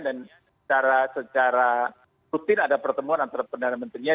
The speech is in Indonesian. dan secara rutin ada pertemuan antara pendana menterinya